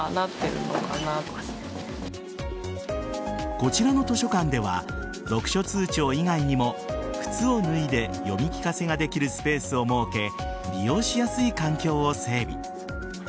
こちらの図書館では読書通帳以外にも靴を脱いで読み聞かせができるスペースを設け利用しやすい環境を整備。